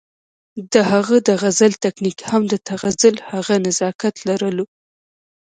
د هغه د غزل تکنيک هم د تغزل هغه نزاکت لرلو